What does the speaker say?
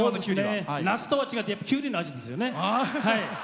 ナスとは違ってきゅうりの味ですよね。